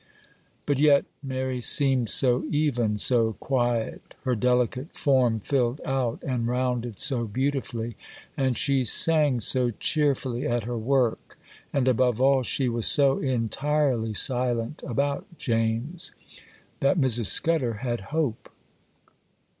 But yet, Mary seemed so even, so quiet, her delicate form filled out and rounded so beautifully, and she sang so cheerfully at her work, and, above all, she was so entirely silent about James, that Mrs. Scudder had hope.